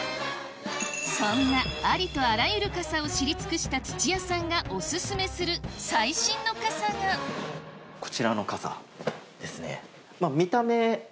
そんなありとあらゆる傘を知り尽くした土屋さんがオススメする最新の傘がこちらの傘ですね。